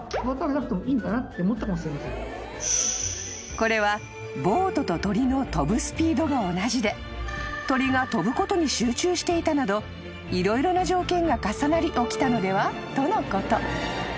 ［これはボートと鳥の飛ぶスピードが同じで鳥が飛ぶことに集中していたなど色々な条件が重なり起きたのでは？とのこと］